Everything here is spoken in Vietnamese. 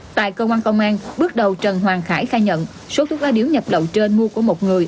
tại cơ quan công an bước đầu trần hoàng khải khai nhận số thuốc lá điếu nhập lậu trên mua của một người